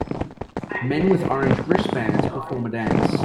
Men with orange wristbands perform a dance.